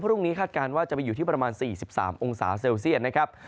พรุ่งนี้คาดการณ์ว่าจะไปอยู่ที่ประมาณ๔๓องศาเซลเซียตนะครับ